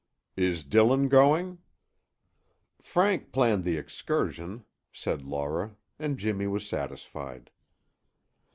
"Is Dillon going?" "Frank planned the excursion," said Laura and Jimmy was satisfied.